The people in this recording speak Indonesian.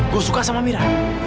gue suka sama amira